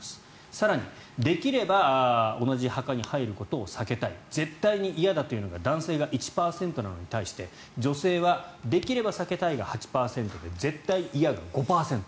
更に、できれば同じ墓に入ることを避けたい絶対に嫌だというのが男性が１％なのに対して女性はできれば避けたいが８％で絶対嫌が５％。